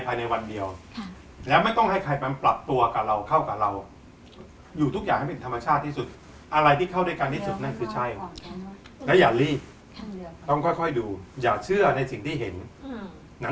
ปีนี้ปาก็ไป๔๕แล้วพี่ฮายไม่ได้เลยจ้ะ